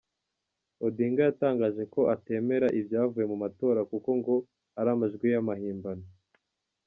Odinga yatangaje ko atemera ibyavuye mu matora kuko ngo ari amajwi y’amahmbano.